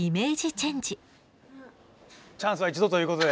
チャンスは一度ということで。